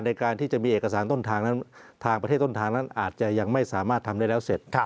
ในการที่จะมีเอกสารต้นทางนั้นทางประเทศต้นทางนั้นอาจจะยังไม่สามารถทำได้แล้วเสร็จ